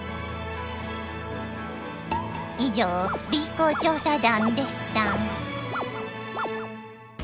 以上「Ｂ公調査団」でした。